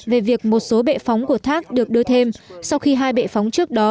về việc một số bệ phóng của thác được đưa thêm sau khi hai bệ phóng trước đó